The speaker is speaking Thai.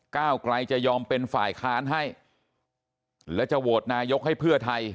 ก้าวไกลจะยอมเป็นฝ่ายค้านให้และจะโหวตนายกให้เพื่อไทย